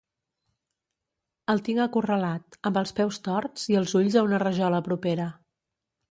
El tinc acorralat, amb els peus torts i els ulls a una rajola propera.